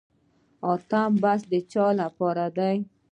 اتم بست د چا لپاره دی؟